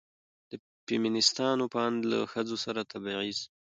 د فيمينستانو په اند له ښځو سره تبعيض